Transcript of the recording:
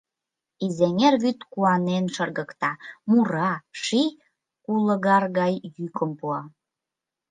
Изеҥер вӱд куанен шыргыкта, мура, ший кулыгар гай йӱкым пуа.